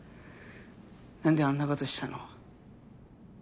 なんであんなことしたの？